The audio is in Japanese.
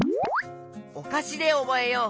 「おかし」でおぼえよう。